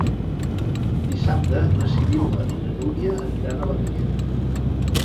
Dissabte na Sibil·la i na Núria aniran a la Figuera.